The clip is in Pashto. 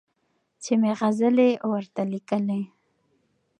چي مي غزلي ورته لیکلې